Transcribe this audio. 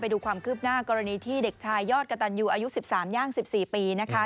ดูความคืบหน้ากรณีที่เด็กชายยอดกระตันยูอายุ๑๓ย่าง๑๔ปีนะคะ